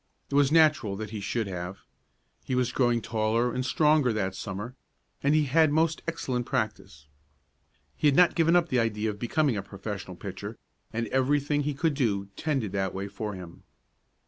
It was natural that he should have. He was growing taller and stronger that Summer, and he had most excellent practice. He had not given up the idea of becoming a professional pitcher, and everything he could do tended that way for him.